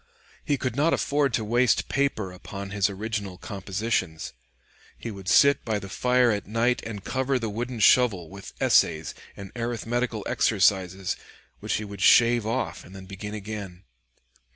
He could not afford to waste paper upon his original compositions. He would sit by the fire at night and cover the wooden shovel with essays and arithmetical exercises, which he would shave off and then begin again.